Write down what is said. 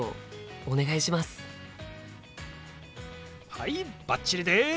はいバッチリです！